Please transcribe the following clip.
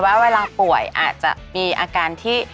ว่าเวลาป่วยอาจจะมีอาการที่